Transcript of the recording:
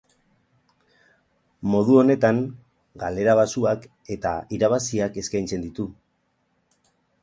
Modu honetan, galera baxuak eta irabaziak eskaintzen ditu.